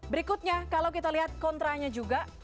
berikutnya kalau kita lihat kontra nya juga